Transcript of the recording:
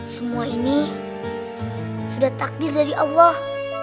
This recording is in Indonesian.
semua ini sudah takdir dari allah